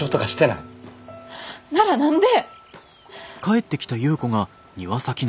なら何で？